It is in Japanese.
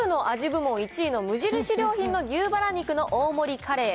部門１位の無印良品の牛ばら肉の大盛りカレー。